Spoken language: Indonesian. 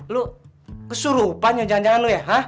lu kesurupan nyonjangan nyonjangan lu ya